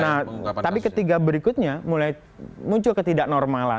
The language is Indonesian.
nah tapi ketiga berikutnya mulai muncul ketidak normal lah